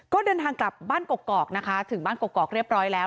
ก็เดินทางกลับบ้านกกอกนะคะถึงบ้านกกอกเรียบร้อยแล้ว